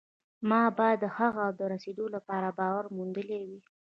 ما باید هغه ته د رسېدو لپاره باور موندلی وي